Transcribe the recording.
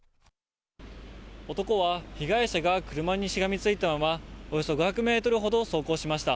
男は被害者が車にしがみついたまま、およそ５００メートルほど走行しました。